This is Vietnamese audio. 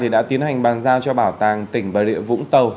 đã tiến hành bàn giao cho bảo tàng tỉnh bà rịa vũng tàu